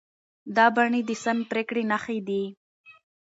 دا بڼې د سمې پرېکړې نښې دي.